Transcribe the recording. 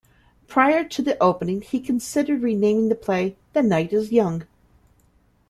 Prior to the opening, he considered renaming the play "The Night is Young".